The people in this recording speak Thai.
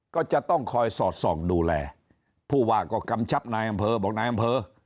ก็จะต้องคอยสอดส่องดูแลผู้ว่าก็กำชับนายอำเภอบอกนายอำเภอ